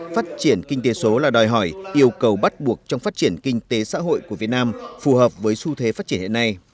phát triển kinh tế số là đòi hỏi yêu cầu bắt buộc trong phát triển kinh tế xã hội của việt nam phù hợp với xu thế phát triển hiện nay